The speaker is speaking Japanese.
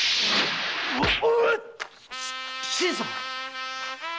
新さん！